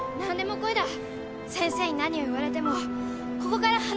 先生に何を言われてもここから離れませんから！